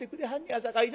やさかいな